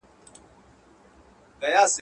شیان له تا څخه هومره لري وي